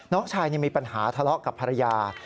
น้องชายมีปัญหาทะเลาะกับภรรยา